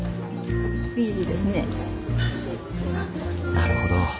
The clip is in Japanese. なるほど。